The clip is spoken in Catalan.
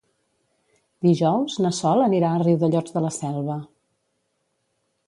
Dijous na Sol anirà a Riudellots de la Selva.